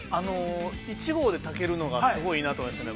◆１合で炊けるのが、すごい、いいなと思いましたね。